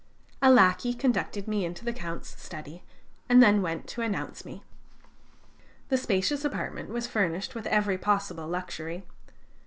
A lackey conducted me into the Count's study, and then went to announce me. The spacious apartment was furnished with every possible luxury.